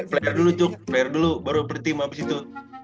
player dulu cuk player dulu baru per team abisitu